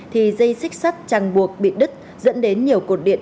thì dây xích sắt chẳng buộc bị đứt dẫn đến nhiều cột điện